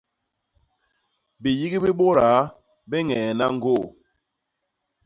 Biyik bi bôdaa bi ñeena ñgoo.